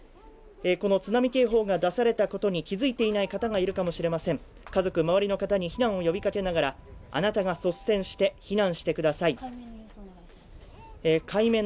この津波警報が出されたことに気付いていない方がいるかもしれません家族周りの方に避難を呼びかけながら、あなたが率先して避難してください。